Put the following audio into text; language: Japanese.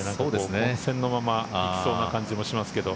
混戦のまま行きそうな感じもしますけど。